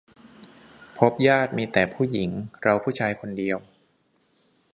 พบญาติ มีแต่ผู้หญิง เราผู้ชายคนเดียว